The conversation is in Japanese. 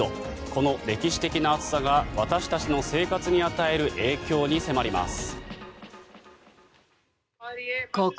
この歴史的な暑さが私たちの生活に与える影響に迫ります。